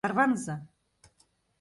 Тарваныза!